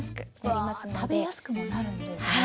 わあ食べやすくもなるんですね。